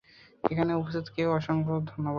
এখানে উপস্থিত কেউ অসংখ্য ধন্যবাদ।